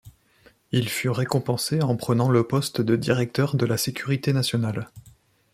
Il fut récompensé en prenant le poste de Directeur de la Sécurité Nationale.